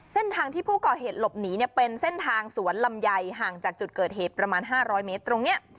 เส้นทางที่ผู้ก่อเหตุหลบหนีเนี่ยเป็นเส้นทางสวนลำไยห่างจากจุดเกิดเหตุประมาณ๕๐๐เมตรตรงนี้